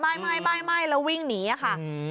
ไม่แล้ววิ่งหนีค่ะ